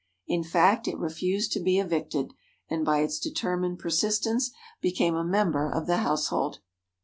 In fact, it refused to be evicted, and by its determined persistence became a member of the household.